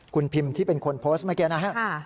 คุณพิมที่เป็นคนโพสต์เมื่อกี้นะฮะ